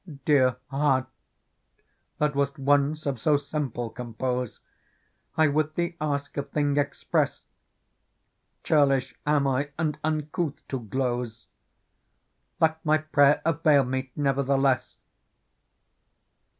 Dear heart, that wast once of so simple compose, I would thee ask a thing express : Churlish am I and uncouth to glose. Let my prayer avail me never the less.